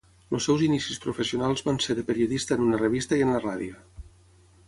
Els seus inicis professionals van ser de periodista en una revista i en la ràdio.